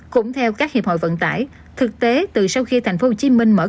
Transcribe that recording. cũng theo các hiệp hội vận tải thực tế từ sau khi thành phố hồ chí minh mở cửa